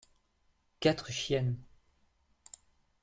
Quatre chiennes.